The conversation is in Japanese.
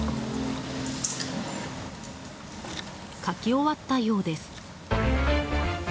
書き終わったようです。